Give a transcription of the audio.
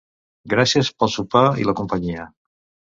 Gràcies pel sopar i la companyia.